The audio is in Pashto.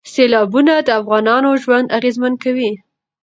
سیلابونه د افغانانو ژوند اغېزمن کوي.